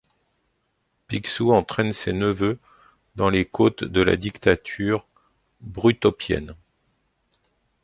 Picsou entraîne ses neveux dans les côtes de la dictature brutopienne.